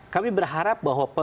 kami berharap bahwa